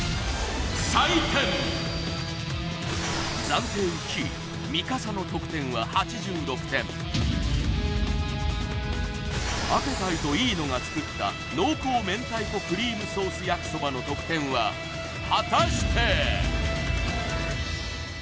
暫定１位みかさの得点は８６点あぺたいと飯野が作った濃厚明太子クリームソース焼きそばの得点は果たして！？